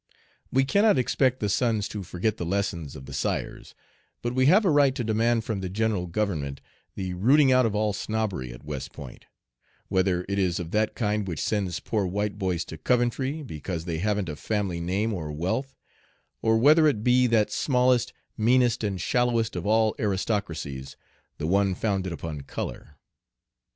"We cannot expect the sons to forget the lessons of the sires; but we have a right to demand from the general government the rooting out of all snobbery at West Point, whether it is of that kind which sends poor white boys to Coventry, because they haven't a family name or wealth, or whether it be that smallest, meanest, and shallowest of all aristocracies the one founded upon color.